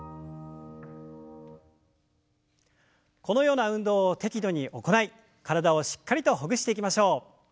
このような運動を適度に行い体をしっかりとほぐしていきましょう。